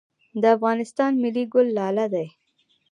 د افغانستان ملي ګل لاله دی